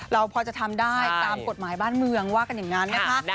เราพอจะทำได้ตามกฎหมายบ้านเมืองว่ากันอย่างนั้นนะคะ